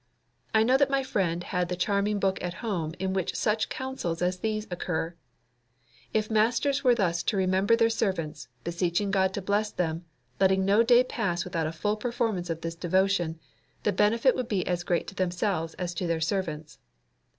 I knew that my friend had the charming book at home in which such counsels as these occur: "If masters were thus to remember their servants, beseeching God to bless them, letting no day pass without a full performance of this devotion, the benefit would be as great to themselves as to their servants."